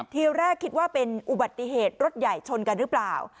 ทีแรกคิดว่าเป็นอุบัติเหตุรถใหญ่ชนกันหรือเปล่า